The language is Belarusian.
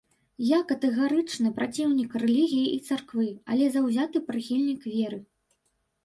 Я катэгарычны праціўнік рэлігіі і царквы, але заўзяты прыхільнік веры.